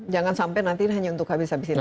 jangan sampai nanti hanya untuk habis habisin negara